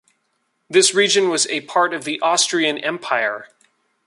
This region was a part of the Austrian Empire.